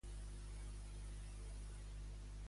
Com havia sigut, Taís?